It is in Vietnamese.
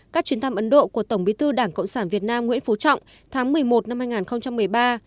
các chuyến thăm ấn độ của tổng bí thư đảng cộng sản việt nam nguyễn phú trọng tháng một mươi một năm hai nghìn một mươi ba